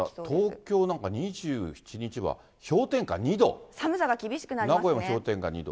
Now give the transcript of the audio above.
東京なんか２７日は氷点下２度。